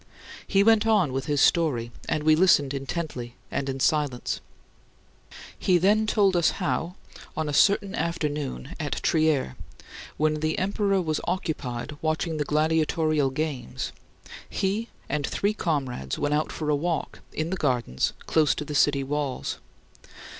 He went on with his story, and we listened intently and in silence. He then told us how, on a certain afternoon, at Trier, when the emperor was occupied watching the gladiatorial games, he and three comrades went out for a walk in the gardens close to the city walls.